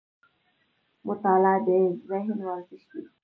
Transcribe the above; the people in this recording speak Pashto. مطالعه د ذهن ورزش دی